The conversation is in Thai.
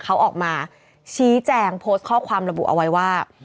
เขาออกมาชี้แจงโพสต์ข้อความระบุเอาไว้ว่า